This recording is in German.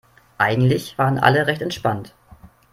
Eigentlich waren alle recht entspannt.